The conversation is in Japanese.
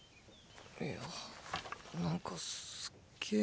いやなんかすっげー